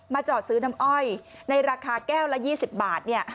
จอดซื้อน้ำอ้อยในราคาแก้วละ๒๐บาท